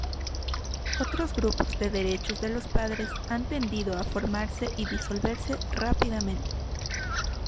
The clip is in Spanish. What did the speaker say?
Otros grupos de derechos de los padres han tendido a formarse y disolverse rápidamente.